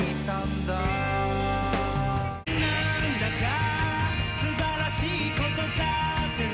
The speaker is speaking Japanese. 「なんだか素晴らしい事だってね」